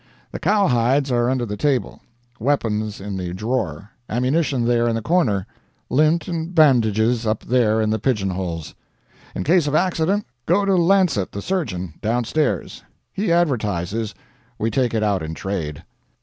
The cowhides are under the table; weapons in the drawer ammunition there in the corner lint and bandages up there in the pigeonholes. In case of accident, go to Lancet, the surgeon, downstairs. He advertises we take it out in trade."